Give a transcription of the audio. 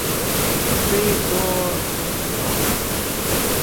— Піди до... нього.